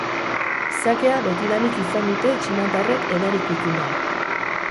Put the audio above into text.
Sakea betidanik izan dute txinatarrek edari kuttuna.